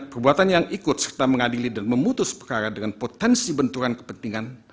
perbuatan yang ikut serta mengadili dan memutus perkara dengan potensi benturan kepentingan